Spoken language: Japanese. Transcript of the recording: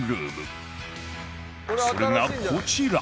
それがこちら